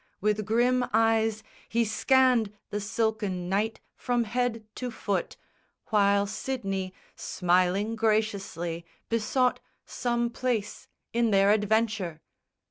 With grim eyes He scanned the silken knight from head to foot, While Sidney, smiling graciously, besought Some place in their adventure.